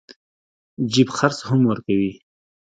جيب خرڅ هم ورکوي.